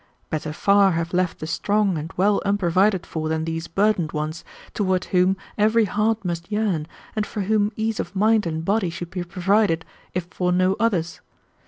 Better far have left the strong and well unprovided for than these burdened ones, toward whom every heart must yearn, and for whom ease of mind and body should be provided, if for no others.